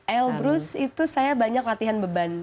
elbrus itu saya banyak latihan beban